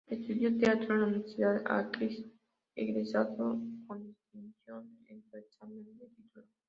Estudió Teatro en la Universidad Arcis, egresando con distinción en su examen de título.